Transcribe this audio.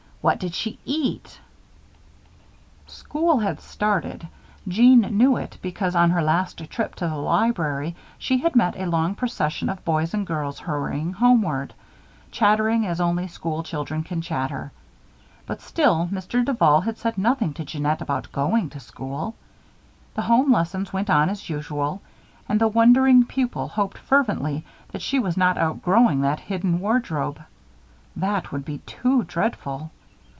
"What did she eat?" School had started. Jeanne knew it because on her last trip to the library she had met a long procession of boys and girls hurrying homeward; chattering as only school children can chatter. But still Mr. Duval had said nothing to Jeannette about going to school. The home lessons went on as usual, and the wondering pupil hoped fervently that she was not outgrowing that hidden wardrobe. That would be too dreadful.